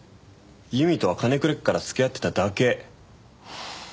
由美とは金くれっから付き合ってただけ。